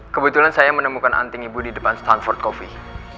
kebetulan saya menemukan anting ibu di depan stanford coffee